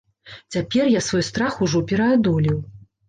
Цяпер я свой страх ужо пераадолеў.